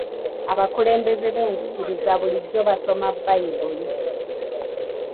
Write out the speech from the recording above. Abakulembeze b'enzikiriza bulijjo basoma Bbayibuli.